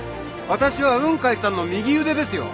私は雲海さんの右腕ですよ